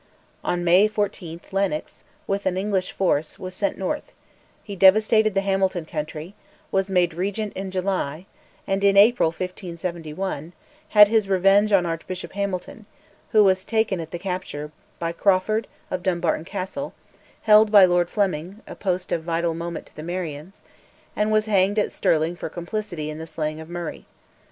On May 14, Lennox, with an English force, was sent north: he devastated the Hamilton country; was made Regent in July; and, in April 1571, had his revenge on Archbishop Hamilton, who was taken at the capture, by Crawford, of Dumbarton Castle, held by Lord Fleming, a post of vital moment to the Marians; and was hanged at Stirling for complicity in the slaying of Murray.